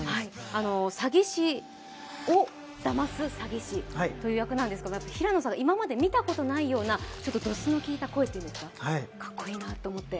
詐欺師をだます詐欺師という役なんですけど平野さん、今まで見たことのないようなドスの利いた声っていうんでしょうか、かっこいいなと思って。